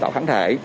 tạo kháng thể